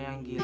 tidak itu dia